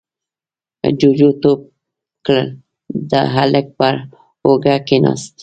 جُوجُو ټوپ کړل، د هلک پر اوږه کېناست: